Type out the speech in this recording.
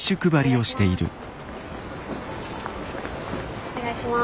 お願いします。